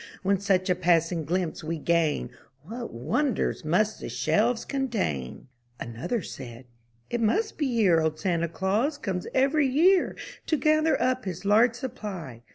When such a passing glimpse we gain, What wonders must the shelves contain!" Another said, *'It must be here Old Santa Claus comes every year To gather up his large supply.